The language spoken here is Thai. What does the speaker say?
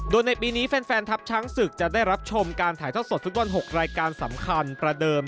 โดยในปีนี้แฟนทัพช้างศึกจะได้รับชมการถ่ายทอดสดฟุตบอล๖รายการสำคัญประเดิม